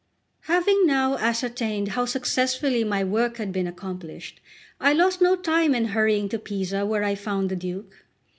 Having now ascertained how successfully my work had been accomplished, I lost no time in hurrying to Pisa, where I found the Duke.